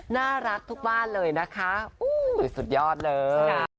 น่ารักทุกบ้านเลยนะคะสุดยอดเลย